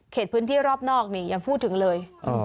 เขตพื้นที่รอบนอกนี้ยังพูดถึงเลย